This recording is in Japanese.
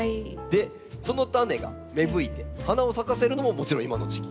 でそのタネが芽吹いて花を咲かせるのももちろん今の時期。